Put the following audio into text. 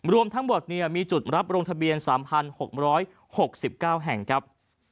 รวมทั้งหมดมีจุดรับลงทะเบียน๓๖๖๙แห่งครับ